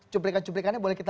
cuplikan cuplikannya boleh kita